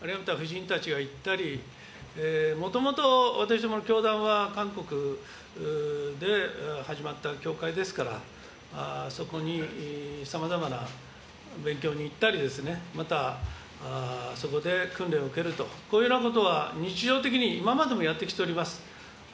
韓国に教会の青年たちが行ったり、婦人たちが行ったり、もともと私どもの教団は、韓国で始まった教会ですから、そこにさまざまな勉強に行ったりですね、また、そこで訓練を受けると、こういうようなことは日常的に、今までもやってきております。